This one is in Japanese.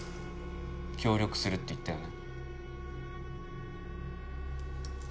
協力するって言ったよね？